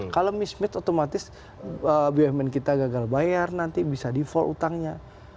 kalau mismith otomatis bumn kita gagal bayar nanti bisa default utangnya